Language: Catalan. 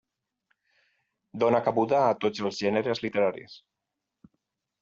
Dona cabuda a tots els gèneres literaris.